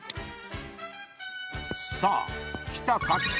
［さあきたか？